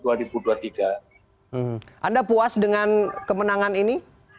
anda puas dengan kemenangan ini